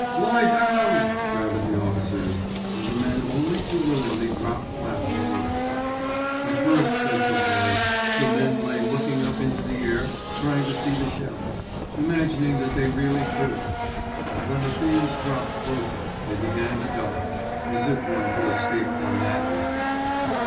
"Lie down!" shouted the officers, and the men only too willingly dropped flat in the road. "At first," said Coco, "the men lay looking up into the air trying to see the shells—imagining that they really could! But when the things dropped closer, they began to dodge—as if one could escape them that way!"